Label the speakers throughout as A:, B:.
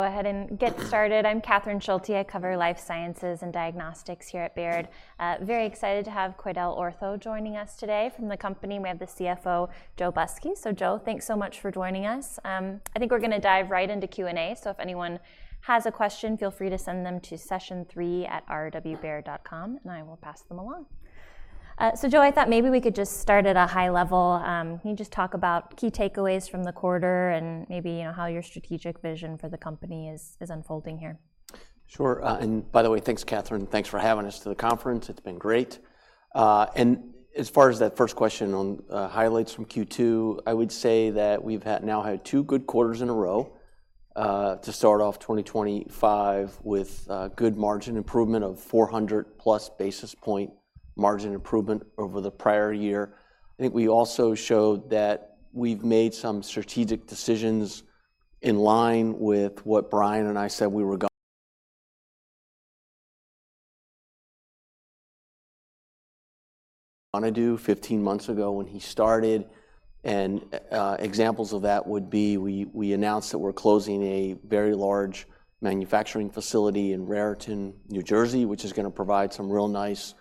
A: Go ahead and get started. I'm Catherine Schulte. I cover Life Sciences and Diagnostics here at Baird. Very excited to have QuidelOrtho joining us today from the company. We have the CFO, Joe Busky. So, Joe, thanks so much for joining us. We're going to dive right into Q&A. So if anyone has a question, feel free to send them to session3@rwbaird.com, and I will pass them along. So, Joe, I thought maybe we could just start at a high level. Can you just talk about key takeaways from the quarter and maybe how your strategic vision for the company is unfolding here?
B: Sure. And by the way, thanks, Catherine. Thanks for having us to the conference. It's been great. And as far as that first question on highlights from Q2, I would say that we've now had two good quarters in a row to start off 2025 with good margin improvement of 400-plus basis point margin improvement over the prior year. We also showed that we've made some strategic decisions in line with what Brian and I said we were going to do 15 months ago when he started. And examples of that would be we announced that we're closing a very large manufacturing facility in Raritan, New Jersey, which is going to provide some real nice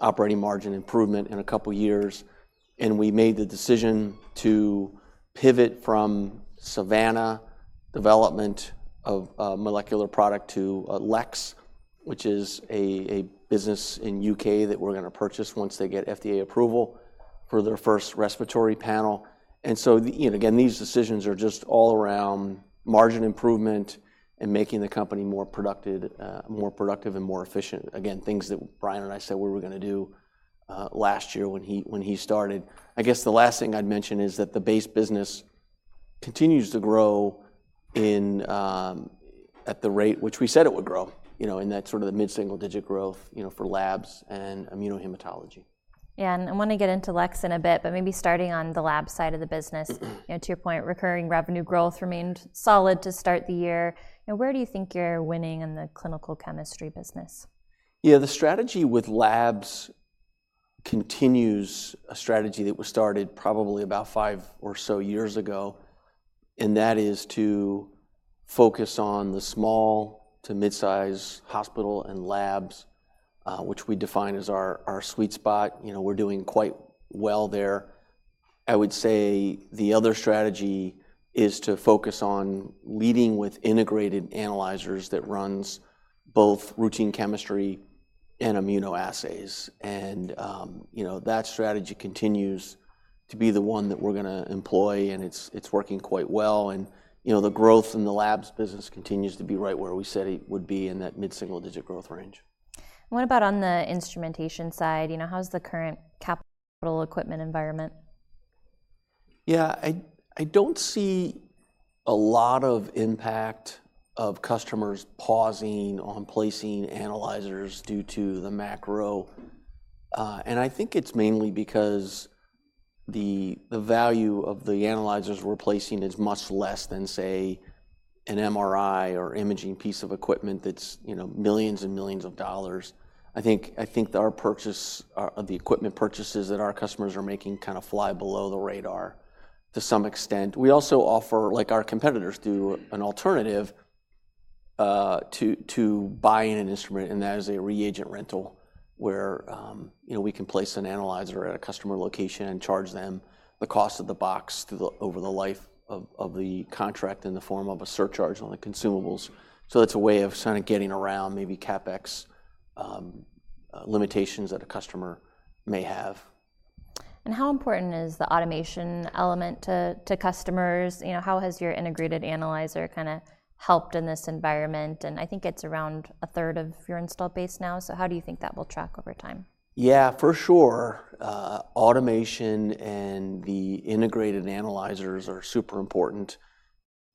B: operating margin improvement in a couple of years. We made the decision to pivot from Savanna development of molecular product to LEX, which is a business in the UK that we're going to purchase once they get FDA approval for their first respiratory panel. Again, these decisions are just all around margin improvement and making the company more productive and more efficient. Again, things that Brian and I said we were going to do last year when he started. I guess the last thing I'd mention is that the base business continues to grow at the rate which we said it would grow, in that sort of the mid-single-digit growth for labs and immunohematology.
A: Yeah. I want to get into LEX in a bit, but maybe starting on the lab side of the business. To your point, recurring revenue growth remained solid to start the year. Where do you think you're winning in the clinical chemistry business?
B: Yeah. The strategy with Labs continues a strategy that was started probably about five or so years ago, and that is to focus on the small to mid-size hospital and labs, which we define as our sweet spot. We're doing quite well there. I would say the other strategy is to focus on leading with integrated analyzers that run both routine chemistry and immunoassays, and that strategy continues to be the one that we're going to employ, and it's working quite well, and the growth in the Labs business continues to be right where we said it would be in that mid-single-digit growth range.
A: What about on the instrumentation side? How's the current capital equipment environment?
B: Yeah. I don't see a lot of impact of customers pausing on placing analyzers due to the macro. It's mainly because the value of the analyzers we're placing is much less than, say, an MRI or imaging piece of equipment that's $ millions and $ millions. Our purchase, the equipment purchases that our customers are making, kind of fly below the radar to some extent. We also offer, like our competitors do, an alternative to buying an instrument. That is a reagent rental where we can place an analyzer at a customer location and charge them the cost of the box over the life of the contract in the form of a surcharge on the consumables. That's a way of kind of getting around maybe CapEx limitations that a customer may have.
A: How important is the automation element to customers? How has your integrated analyzer kind of helped in this environment? I think it's around a third of your installed base now. So how do you think that will track over time?
B: Yeah, for sure. Automation and the integrated analyzers are super important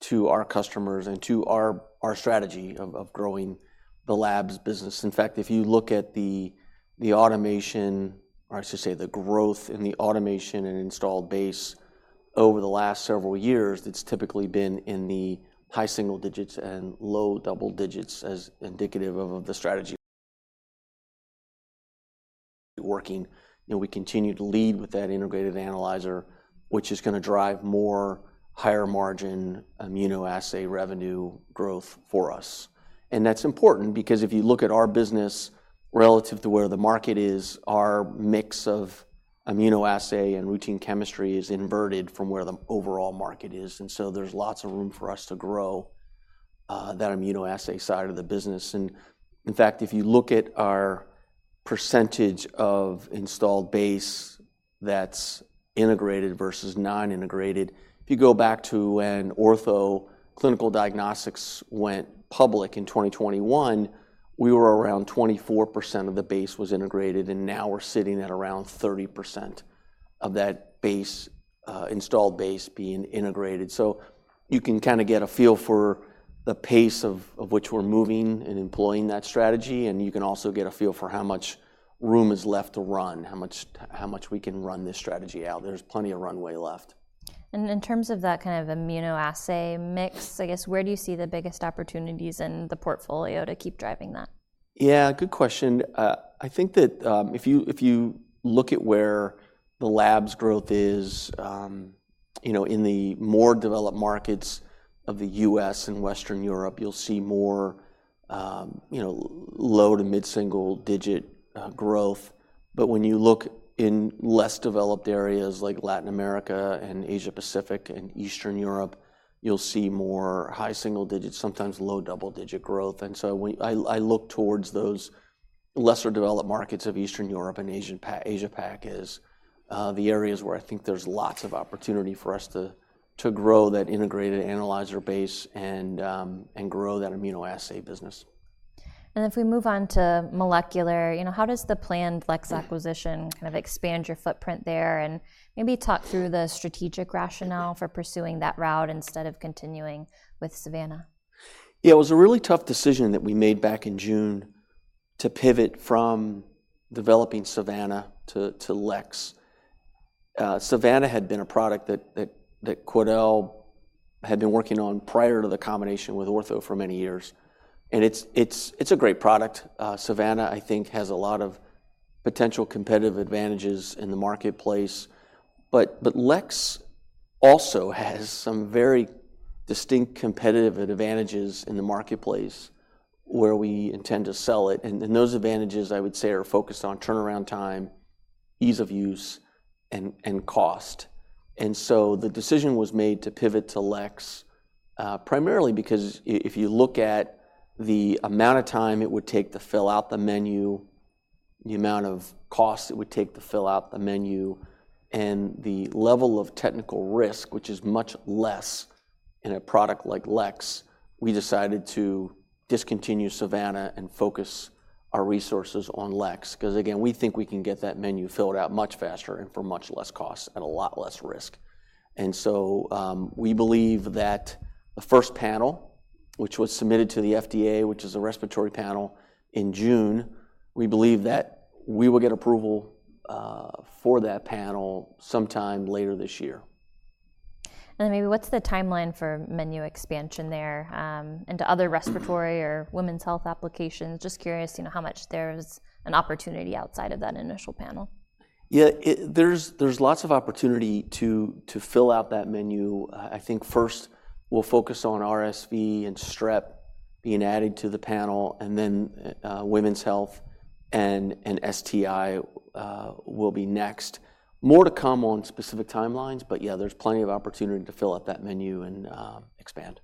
B: to our customers and to our strategy of growing the labs business. In fact, if you look at the automation, or I should say the growth in the automation and installed base over the last several years, it's typically been in the high single digits and low double digits as indicative of the strategy working. We continue to lead with that integrated analyzer, which is going to drive more higher margin immunoassay revenue growth for us. And that's important because if you look at our business relative to where the market is, our mix of immunoassay and routine chemistry is inverted from where the overall market is. And so there's lots of room for us to grow that immunoassay side of the business. In fact, if you look at our percentage of installed base that's integrated versus non-integrated, if you go back to when Ortho Clinical Diagnostics went public in 2021, we were around 24% of the base was integrated. Now we're sitting at around 30% of that installed base being integrated. You can kind of get a feel for the pace of which we're moving and employing that strategy. You can also get a feel for how much room is left to run, how much we can run this strategy out. There's plenty of runway left.
A: In terms of that kind of immunoassay mix, I guess, where do you see the biggest opportunities in the portfolio to keep driving that?
B: Yeah, good question. If you look at where the labs growth is in the more developed markets of the US and Western Europe, you'll see more low- to mid-single-digit growth. But when you look in less developed areas like Latin America and Asia-Pacific and Eastern Europe, you'll see more high single-digit, sometimes low double-digit growth. And so I look towards those lesser developed markets of Eastern Europe and Asia-Pac as the areas where there's lots of opportunity for us to grow that integrated analyzer base and grow that immunoassay business.
A: If we move on to molecular, how does the planned LEX acquisition kind of expand your footprint there and maybe talk through the strategic rationale for pursuing that route instead of continuing with Savanna?
B: Yeah. It was a really tough decision that we made back in June to pivot from developing Savanna to LEX. Savanna had been a product that Quidel had been working on prior to the combination with Ortho for many years. And it's a great product. Savanna, has a lot of potential competitive advantages in the marketplace. But LEX also has some very distinct competitive advantages in the marketplace where we intend to sell it. And those advantages, I would say, are focused on turnaround time, ease of use, and cost. The decision was made to pivot to LEX primarily because if you look at the amount of time it would take to fill out the menu, the amount of cost it would take to fill out the menu, and the level of technical risk, which is much less in a product like LEX, we decided to discontinue Savanna and focus our resources on LEX because, again, we think we can get that menu filled out much faster and for much less cost at a lot less risk. We believe that the first panel, which was submitted to the FDA, which is a respiratory panel in June, we believe that we will get approval for that panel sometime later this year.
A: Maybe what's the timeline for menu expansion there into other respiratory or women's health applications? Just curious how much there is an opportunity outside of that initial panel.
B: Yeah. There's lots of opportunity to fill out that menu. First we'll focus on RSV and Strep being added to the panel. And then women's health and STI will be next. More to come on specific timelines. But yeah, there's plenty of opportunity to fill up that menu and expand.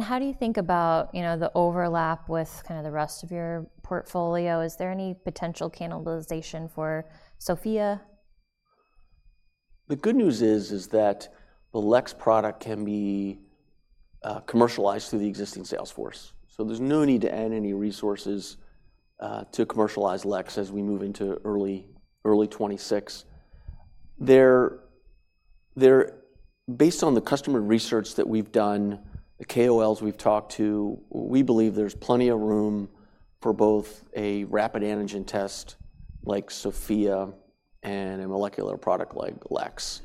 A: How do you think about the overlap with kind of the rest of your portfolio? Is there any potential cannibalization for Sofia?
B: The good news is that the LEX product can be commercialized through the existing sales force. So there's no need to add any resources to commercialize LEX as we move into early 2026. Based on the customer research that we've done, the KOLs we've talked to, we believe there's plenty of room for both a rapid antigen test like Sofia and a molecular product like LEX.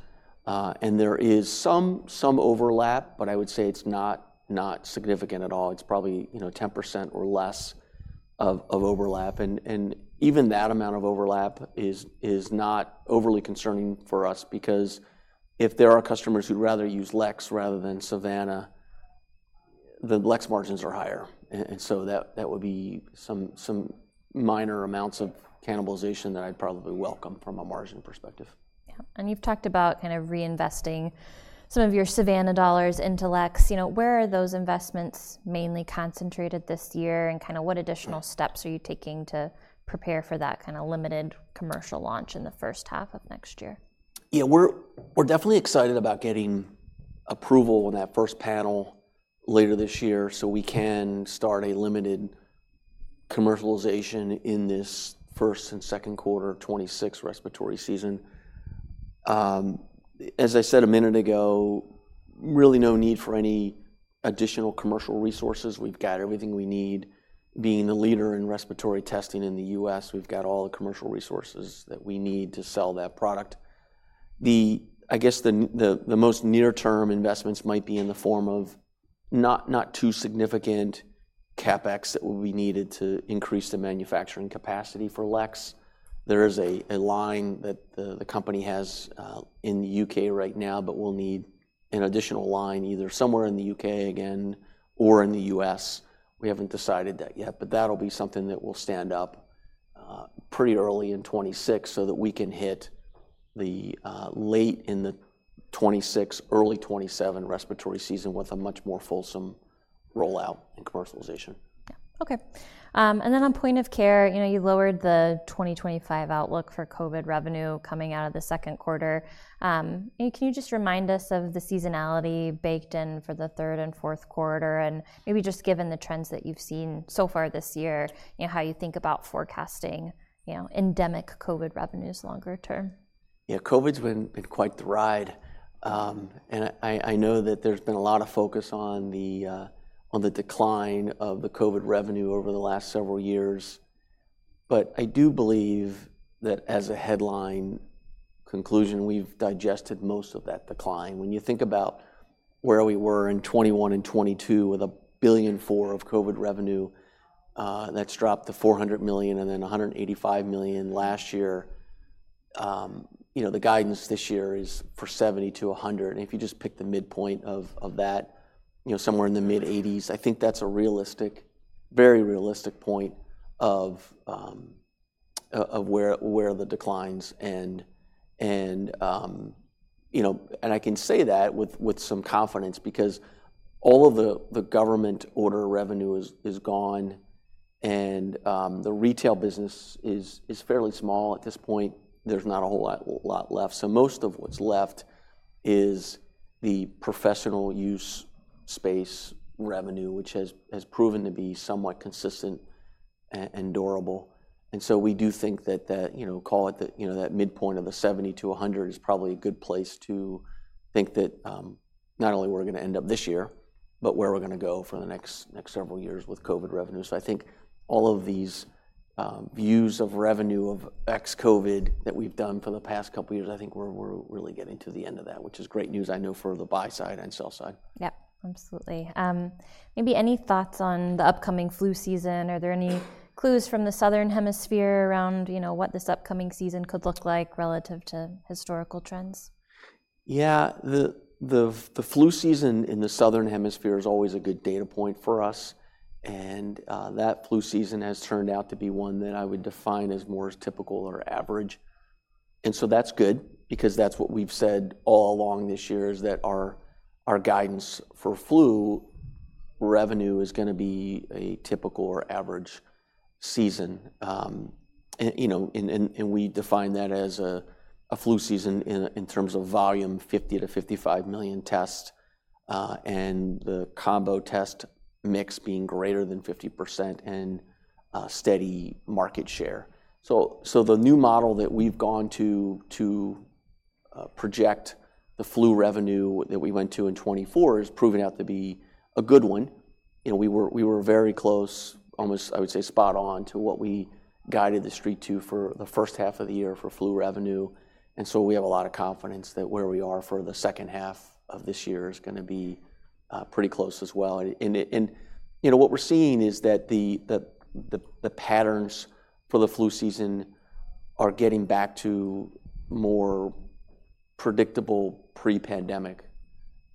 B: And there is some overlap, but I would say it's not significant at all. It's probably 10% or less of overlap. And even that amount of overlap is not overly concerning for us because if there are customers who'd rather use LEX rather than Savanna, the LEX margins are higher. And so that would be some minor amounts of cannibalization that I'd probably welcome from a margin perspective.
A: Yeah. And you've talked about kind of reinvesting some of your Savanna dollars into LEX. Where are those investments mainly concentrated this year? And kind of what additional steps are you taking to prepare for that kind of limited commercial launch in the first half of next year?
B: Yeah. We're definitely excited about getting approval on that first panel later this year so we can start a limited commercialization in this first and Q2 of 2026 respiratory season. As I said a minute ago, really no need for any additional commercial resources. We've got everything we need. Being the leader in respiratory testing in the U.S., we've got all the commercial resources that we need to sell that product. I guess the most near-term investments might be in the form of not too significant CapEx that will be needed to increase the manufacturing capacity for LEX. There is a line that the company has in the U.K. right now, but we'll need an additional line either somewhere in the U.K., again, or in the U.S. We haven't decided that yet. But that'll be something that will stand up pretty early in 2026 so that we can hit the late in the 2026, early 2027 respiratory season with a much more fulsome rollout and commercialization.
A: Yeah. Okay, and then on Point of Care, you lowered the 2025 outlook for COVID revenue coming out of the Q2. Can you just remind us of the seasonality baked in for the third and Q4, and maybe just given the trends that you've seen so far this year, how you think about forecasting endemic COVID revenues longer term?
B: Yeah. COVID's been quite the ride. And I know that there's been a lot of focus on the decline of the COVID revenue over the last several years. But I do believe that as a headline conclusion, we've digested most of that decline. When you think about where we were in 2021 and 2022 with $1.4 billion of COVID revenue that's dropped to $400 million and then $185 million last year, the guidance this year is for $70-$100 million. And if you just pick the midpoint of that, somewhere in the mid-$80s that's a realistic, very realistic point of where the declines. And I can say that with some confidence because all of the government order revenue is gone. And the retail business is fairly small. At this point, there's not a whole lot left. So most of what's left is the professional use space revenue, which has proven to be somewhat consistent and durable. And so we do think that that midpoint of the 70-100 is probably a good place to think that not only we're going to end up this year, but where we're going to go for the next several years with COVID revenue. All of these views of revenue of ex-COVID that we've done for the past couple of years, we're really getting to the end of that, which is great news, I know, for the buy side and sell side.
A: Yeah, absolutely. Maybe any thoughts on the upcoming flu season? Are there any clues from the Southern Hemisphere around what this upcoming season could look like relative to historical trends?
B: Yeah. The flu season in the Southern Hemisphere is always a good data point for us, and that flu season has turned out to be one that I would define as more typical or average, and so that's good because that's what we've said all along this year is that our guidance for flu revenue is going to be a typical or average season. And we define that as a flu season in terms of volume, 50-55 million tests, and the combo test mix being greater than 50% and steady market share. So the new model that we've gone to project the flu revenue that we went to in 2024 is proving out to be a good one. We were very close, almost, I would say, spot on to what we guided the street to for the first half of the year for flu revenue. And so we have a lot of confidence that where we are for the second half of this year is going to be pretty close as well. And what we're seeing is that the patterns for the flu season are getting back to more predictable pre-pandemic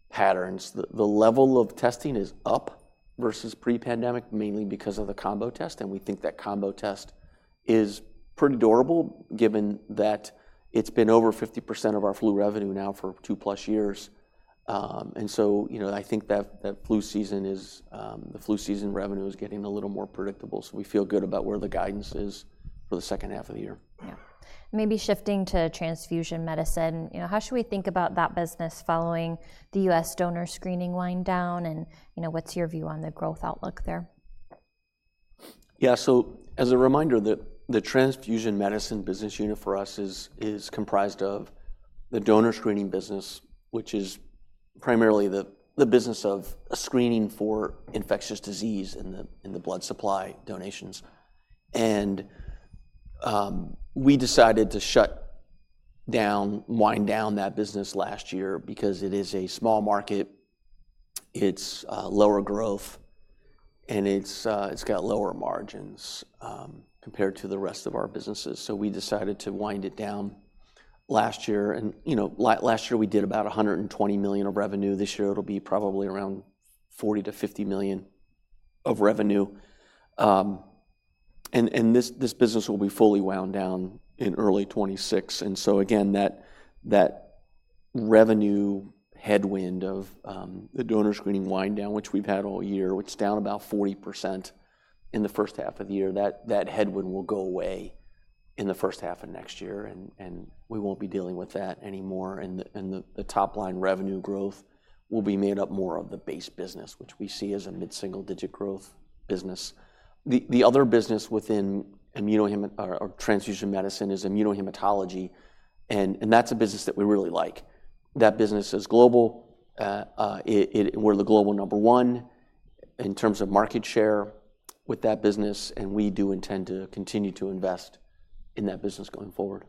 B: patterns. The level of testing is up versus pre-pandemic mainly because of the combo test. And we think that combo test is pretty durable given that it's been over 50% of our flu revenue now for two-plus years. I think that the flu season revenue is getting a little more predictable. So we feel good about where the guidance is for the second half of the year.
A: Yeah. Maybe shifting to Transfusion Medicine. How should we think about that business following the U.S. donor screening wind down? And what's your view on the growth outlook there?
B: Yeah. So as a reminder, the Transfusion Medicine business unit for us is comprised of the donor screening business, which is primarily the business of screening for infectious disease in the blood supply donations. And we decided to wind down that business last year because it is a small market. It's lower growth. And it's got lower margins compared to the rest of our businesses. So we decided to wind it down last year. And last year, we did about $120 million of revenue. This year, it'll be probably around $40-$50 million of revenue. And this business will be fully wound down in early 2026. And so again, that revenue headwind of the donor screening wind down, which we've had all year, it's down about 40% in the first half of the year. That headwind will go away in the first half of next year. And we won't be dealing with that anymore. And the top-line revenue growth will be made up more of the base business, which we see as a mid-single-digit growth business. The other business within immunohematology or Transfusion Medicine is immunohematology. And that's a business that we really like. That business is global. We're the global number one in terms of market share with that business. And we do intend to continue to invest in that business going forward.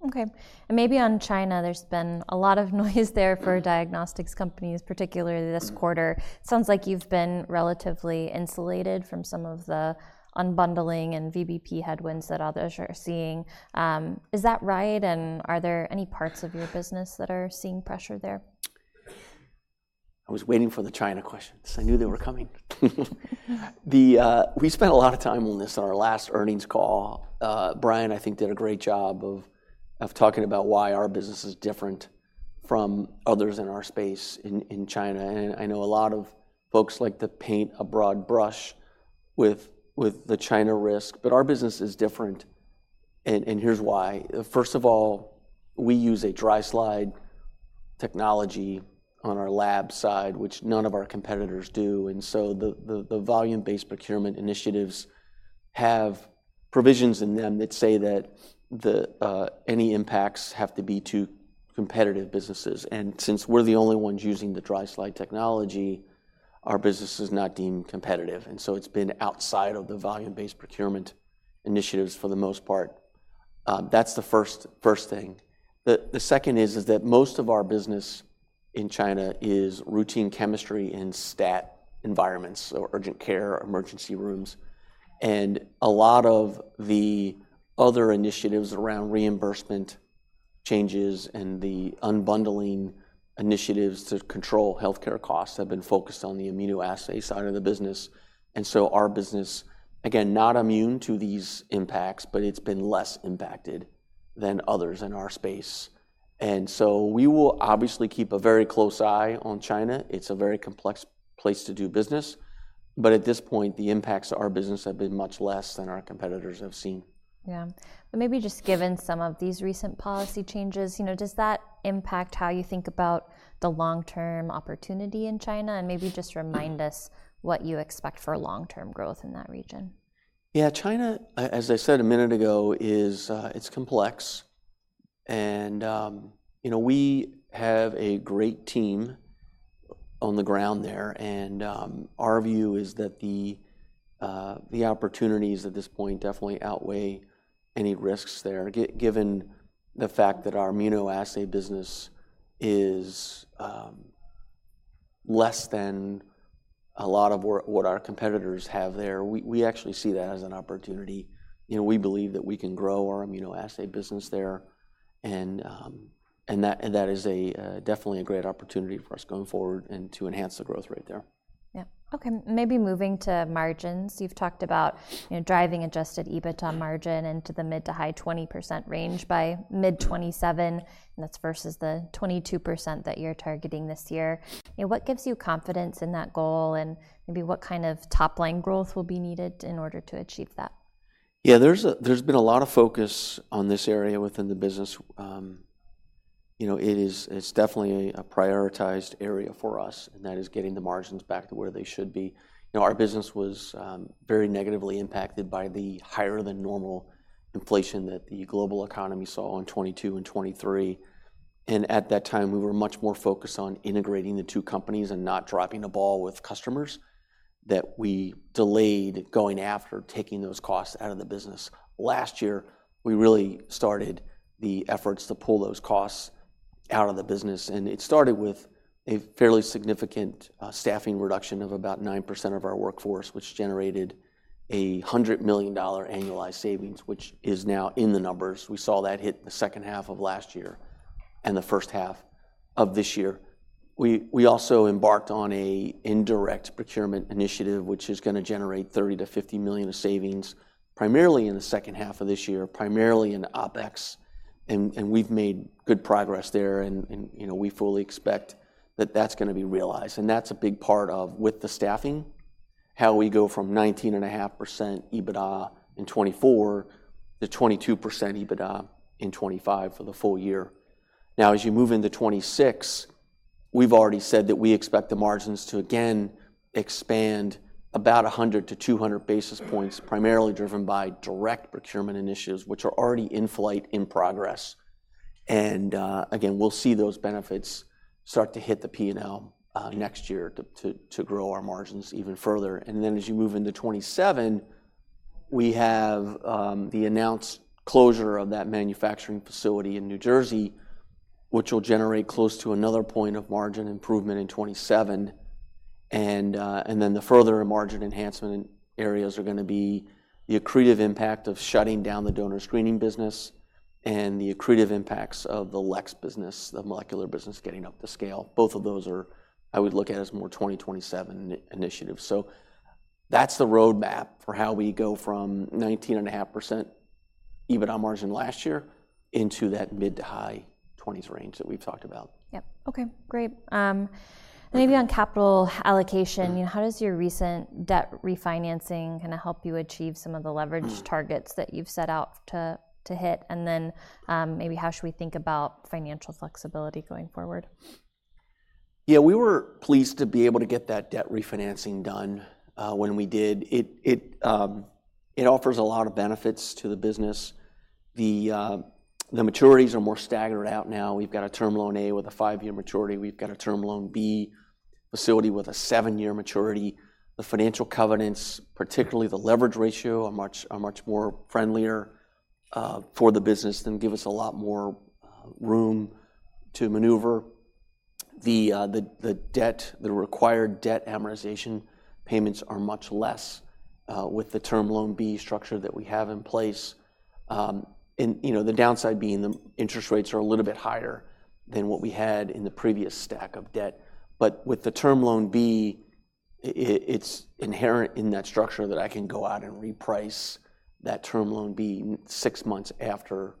A: Yeah. Okay. And maybe on China, there's been a lot of noise there for diagnostics companies, particularly this quarter. It sounds like you've been relatively insulated from some of the unbundling and VBP headwinds that others are seeing. Is that right? And are there any parts of your business that are seeing pressure there?
B: I was waiting for the China questions. I knew they were coming. We spent a lot of time on this on our last earnings call. Brian, I think, did a great job of talking about why our business is different from others in our space in China. And I know a lot of folks like to paint a broad brush with the China risk. But our business is different. Here's why. First of all, we use a dry slide technology on our lab side, which none of our competitors do. The volume-based procurement initiatives have provisions in them that say that any impacts have to be to competitive businesses. Since we're the only ones using the dry slide technology, our business is not deemed competitive. And so it's been outside of the volume-based procurement initiatives for the most part. That's the first thing. The second is that most of our business in China is routine chemistry in stat environments or urgent care or emergency rooms. And a lot of the other initiatives around reimbursement changes and the unbundling initiatives to control healthcare costs have been focused on the immunoassay side of the business. And so our business, again, not immune to these impacts, but it's been less impacted than others in our space. And so we will obviously keep a very close eye on China. It's a very complex place to do business. But at this point, the impacts to our business have been much less than our competitors have seen.
A: Yeah, but maybe just given some of these recent policy changes, does that impact how you think about the long-term opportunity in China, and maybe just remind us what you expect for long-term growth in that region?
B: Yeah. China, as I said a minute ago, it's complex, and we have a great team on the ground there, and our view is that the opportunities at this point definitely outweigh any risks there, given the fact that our immunoassay business is less than a lot of what our competitors have there. We actually see that as an opportunity. We believe that we can grow our immunoassay business there, and that is definitely a great opportunity for us going forward and to enhance the growth rate there.
A: Yeah. Okay. Maybe moving to margins. You've talked about driving adjusted EBITDA margin into the mid- to high-20% range by mid-2027. And that's versus the 22% that you're targeting this year. What gives you confidence in that goal? And maybe what kind of top-line growth will be needed in order to achieve that?
B: Yeah. There's been a lot of focus on this area within the business. It's definitely a prioritized area for us, and that is getting the margins back to where they should be. Our business was very negatively impacted by the higher-than-normal inflation that the global economy saw in 2022 and 2023, and at that time, we were much more focused on integrating the two companies and not dropping the ball with customers that we delayed going after taking those costs out of the business. Last year, we really started the efforts to pull those costs out of the business, and it started with a fairly significant staffing reduction of about 9% of our workforce, which generated a $100 million annualized savings, which is now in the numbers. We saw that hit the second half of last year and the first half of this year. We also embarked on an indirect procurement initiative, which is going to generate $30 million-$50 million of savings, primarily in the second half of this year, primarily in OpEx. And we've made good progress there. And we fully expect that that's going to be realized. And that's a big part of, with the staffing, how we go from 19.5% EBITDA in 2024 to 22% EBITDA in 2025 for the full year. Now, as you move into 2026, we've already said that we expect the margins to, again, expand about 100 to 200 basis points, primarily driven by direct procurement initiatives, which are already in flight, in progress. And again, we'll see those benefits start to hit the P&L next year to grow our margins even further. And then as you move into 2027, we have the announced closure of that manufacturing facility in New Jersey, which will generate close to another point of margin improvement in 2027. And then the further margin enhancement areas are going to be the accretive impact of shutting down the donor screening business and the accretive impacts of the LEX business, the molecular business getting up to scale. Both of those are, I would look at as more 2027 initiatives. So that's the roadmap for how we go from 19.5% EBITDA margin last year into that mid- to high-20s range that we've talked about.
A: Yep. Okay. Great. Maybe on capital allocation, how does your recent debt refinancing kind of help you achieve some of the leverage targets that you've set out to hit? And then maybe how should we think about financial flexibility going forward?
B: Yeah. We were pleased to be able to get that debt refinancing done when we did. It offers a lot of benefits to the business. The maturities are more staggered out now. We've got a Term Loan A with a five-year maturity. We've got a Term Loan B facility with a seven-year maturity. The financial covenants, particularly the leverage ratio, are much more friendlier for the business and give us a lot more room to maneuver. The required debt amortization payments are much less with the term loan B structure that we have in place. And the downside being the interest rates are a little bit higher than what we had in the previous stack of debt. But with the term loan B, it's inherent in that structure that I can go out and reprice that term loan B six months after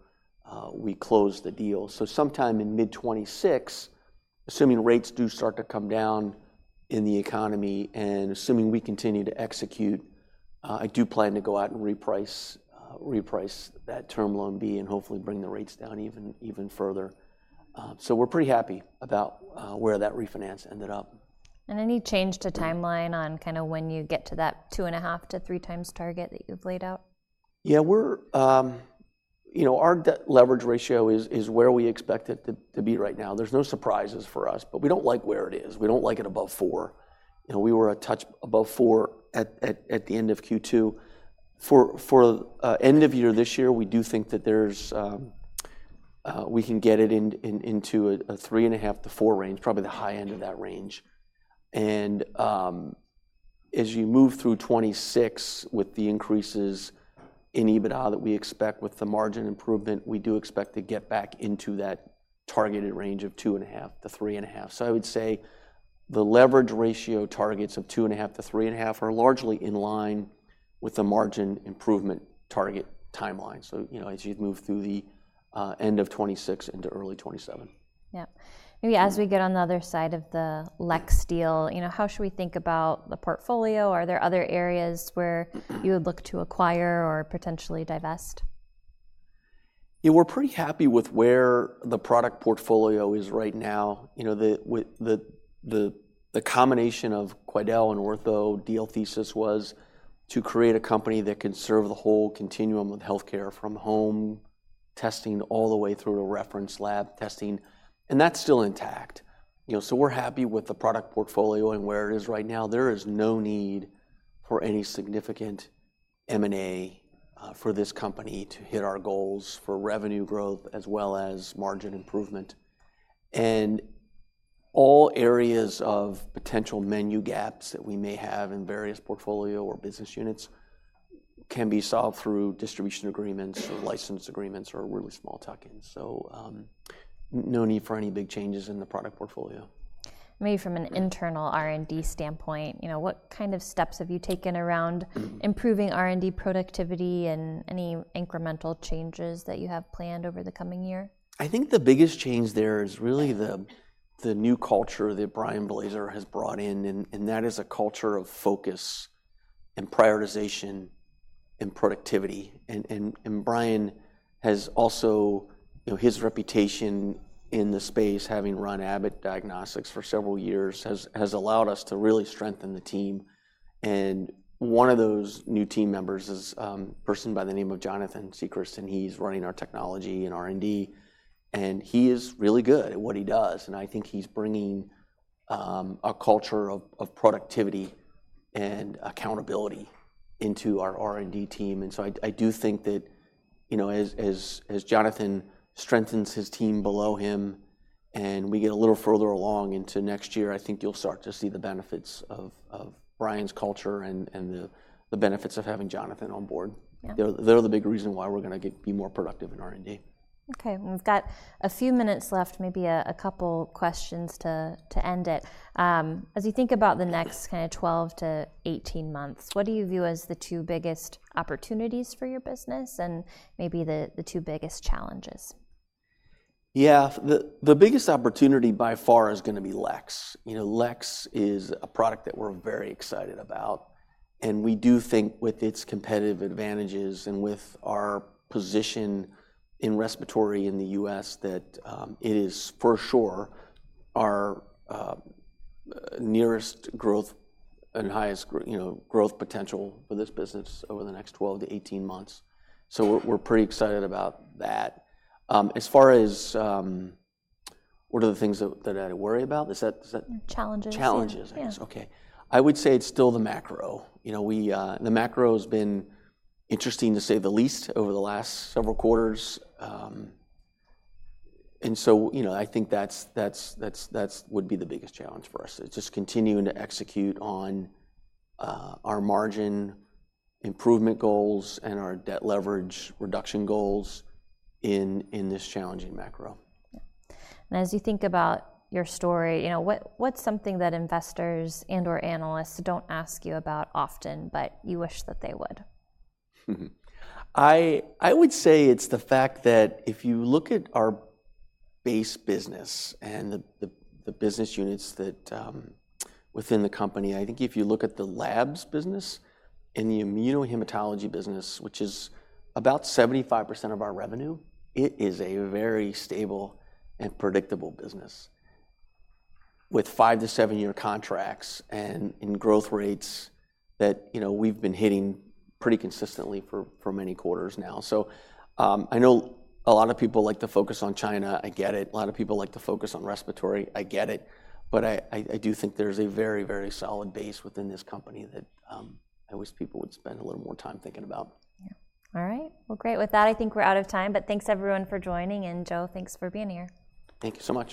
B: we close the deal. So sometime in mid-2026, assuming rates do start to come down in the economy and assuming we continue to execute, I do plan to go out and reprice that term loan B and hopefully bring the rates down even further. So we're pretty happy about where that refinance ended up.
A: Any change to timeline on kind of when you get to that 2.5-3 times target that you've laid out?
B: Yeah. Our leverage ratio is where we expect it to be right now. There's no surprises for us. But we don't like where it is. We don't like it above four. We were a touch above four at the end of Q2. For end of year this year, we do think that we can get it into a three and a half to four range, probably the high end of that range. And as you move through 2026 with the increases in EBITDA that we expect with the margin improvement, we do expect to get back into that targeted range of two and a half to three and a half. So I would say the leverage ratio targets of two and a half to three and a half are largely in line with the margin improvement target timeline as you move through the end of 2026 into early 2027.
A: Yeah. Maybe as we get on the other side of the LEX deal, how should we think about the portfolio? Are there other areas where you would look to acquire or potentially divest?
B: Yeah. We're pretty happy with where the product portfolio is right now. The combination of Quidel and Ortho deal thesis was to create a company that can serve the whole continuum of healthcare from home testing all the way through to reference lab testing. And that's still intact. So we're happy with the product portfolio and where it is right now. There is no need for any significant M&A for this company to hit our goals for revenue growth as well as margin improvement. And all areas of potential menu gaps that we may have in various portfolio or business units can be solved through distribution agreements or license agreements or really small tuck-ins. So no need for any big changes in the product portfolio.
A: Maybe from an internal R&D standpoint, what kind of steps have you taken around improving R&D productivity and any incremental changes that you have planned over the coming year?
B: I think the biggest change there is really the new culture that Brian Blaser has brought in. And that is a culture of focus and prioritization and productivity. And Brian has also his reputation in the space, having run Abbott Diagnostics for several years, has allowed us to really strengthen the team. And one of those new team members is a person by the name of Jonathan Siegrist. And he's running our technology and R&D. And he is really good at what he does. He's bringing a culture of productivity and accountability into our R&D team. And so I do think that as Jonathan strengthens his team below him and we get a little further along into next year, you'll start to see the benefits of Brian's culture and the benefits of having Jonathan on board. They're the big reason why we're going to be more productive in R&D.
A: Okay. We've got a few minutes left, maybe a couple questions to end it. As you think about the next kind of 12-18 months, what do you view as the two biggest opportunities for your business and maybe the two biggest challenges?
B: Yeah. The biggest opportunity by far is going to be LEX. LEX is a product that we're very excited about. And we do think with its competitive advantages and with our position in respiratory in the US that it is for sure our nearest growth and highest growth potential for this business over the next 12 to 18 months. So we're pretty excited about that. As far as what are the things that I worry about?
A: Challenges.
B: Challenges, I guess. Okay. I would say it's still the macro. The macro has been interesting to say the least over the last several quarters. I think that would be the biggest challenge for us. It's just continuing to execute on our margin improvement goals and our debt leverage reduction goals in this challenging macro.
A: As you think about your story, what's something that investors and/or analysts don't ask you about often, but you wish that they would?
B: I would say it's the fact that if you look at our base business and the business units within the company if you look at the labs business and the immunohematology business, which is about 75% of our revenue, it is a very stable and predictable business with five to seven-year contracts and growth rates that we've been hitting pretty consistently for many quarters now. So I know a lot of people like to focus on China. I get it. A lot of people like to focus on respiratory. I get it. But I do think there's a very, very solid base within this company that I wish people would spend a little more time thinking about.
A: Yeah. All right. Well, great. With that, I think we're out of time. But thanks, everyone, for joining. Joe, thanks for being here.
B: Thank you so much.